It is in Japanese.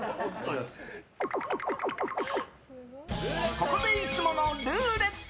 ここでいつものルーレット！